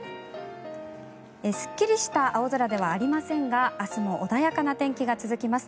すっきりした青空ではありませんが明日も穏やかな天気が続きます。